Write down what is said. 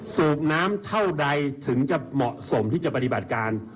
สูบน้ำเท่าใดถึงจะเหมาะสมที่จะปฏิบัติการ